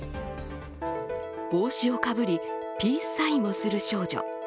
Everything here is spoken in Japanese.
帽子をかぶりピースサインをする少女。